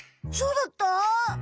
そうだった？